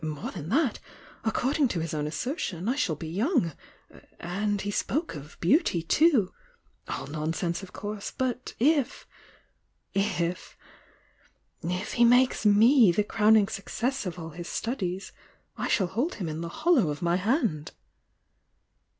More than that, according to his own asser tion, I shall be young! — and he spoke of beauty too! —all nonsense, of course— but if !— if!— if he makes me the crowning success of all his studies, I shall hold him in the hollow of my hand!"